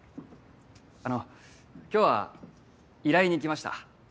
あの今日は依頼に来ました。